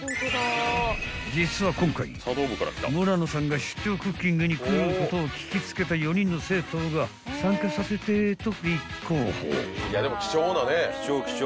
［実は今回村野さんが出張クッキングに来ることを聞き付けた４人の生徒が参加させてと立候補］